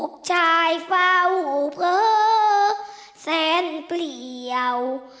ชายเฝ้าเผลอแสนเปลี่ยว